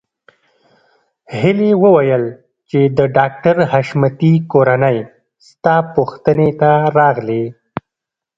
هيلې وویل چې د ډاکټر حشمتي کورنۍ ستا پوښتنې ته راغلې